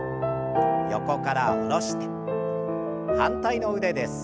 横から下ろして反対の腕です。